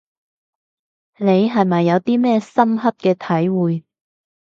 你係咪有啲咩深刻嘅體會